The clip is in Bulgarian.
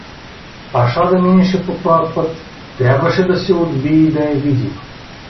Паша да минеше по тоя път, трябваше да се отбие и да я види.